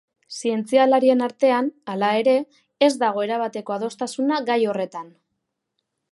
Zientzialarien artean, hala ere, ez dago erabateko adostasuna gai horretan.